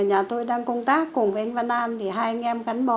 nhà tôi đang công tác cùng với anh văn an thì hai anh em gắn bó